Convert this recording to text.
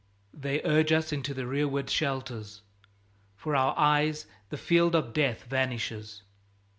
They urge us into the rearward shelters. For our eyes the field of death vanishes.